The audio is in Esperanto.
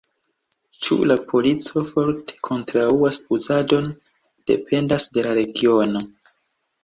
Ĉu la polico forte kontraŭas uzadon, dependas de la regiono.